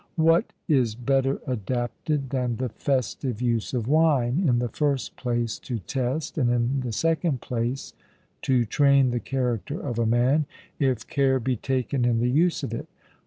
What is better adapted than the festive use of wine, in the first place to test, and in the second place to train the character of a man, if care be taken in the use of it?